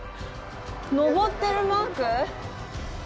登ってるマーク？